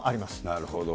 なるほど。